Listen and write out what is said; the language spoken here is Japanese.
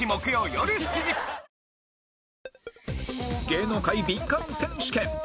芸能界ビンカン選手権